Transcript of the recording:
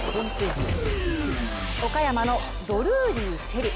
岡山の、ドルーリー朱瑛里。